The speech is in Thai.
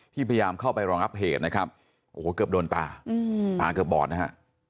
พยายามเข้าไปรองับเหตุนะครับโอ้โหเกือบโดนตาตาเกือบบอดนะฮะ